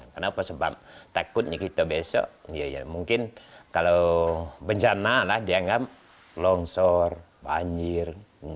kenapa sebab takutnya kita besok ya mungkin kalau bencana lah dianggap longsor banjir